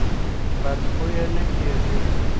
بد خویه نه کېږي.